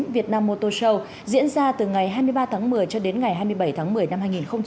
việt nam motor show diễn ra từ ngày hai mươi ba tháng một mươi cho đến ngày hai mươi bảy tháng một mươi năm hai nghìn hai mươi